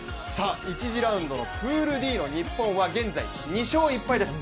１次ラウンドのプールＤの日本は現在２勝１敗です。